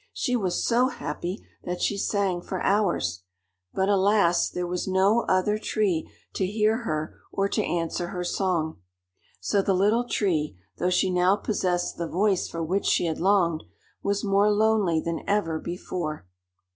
She was so happy that she sang for hours; but alas! there was no other tree to hear her or to answer her song. So the Little Tree, though she now possessed the voice for which she had longed, was more lonely than ever before.